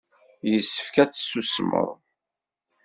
Yessefk ad tsusmeḍ.